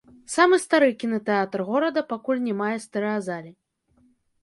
Самы стары кінатэатр горада пакуль не мае стэрэазалі.